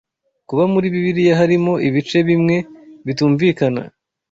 Kuba muri Bibiliya harimo ibice bimwe bitumvikana